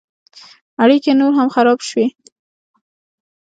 اړیکې نور هم خراب شوې.